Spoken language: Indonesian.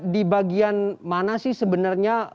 di bagian mana sih sebenarnya